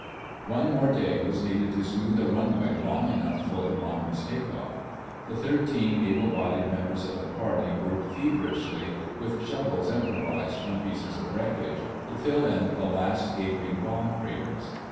One more day was needed to smooth a runway long enough for the bomber's take off. The thirteen able bodied members of the party worked feverishly, with shovels improvised from pieces of wreckage, to fill in the last gaping bomb craters.